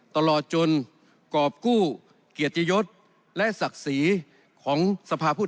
ตลอดจนกรอบกู้เกียรติยศและศักดิ์ศรีของสภาพผู้